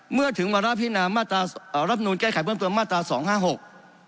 เมื่อถึงวันราภินามาตรารับนูลแก้ไขเพิ่มตัวมาตราสองห้าหก